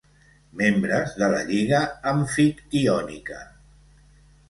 Membres de la Lliga amfictiònica.